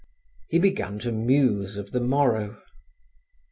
He began to muse of the morrow.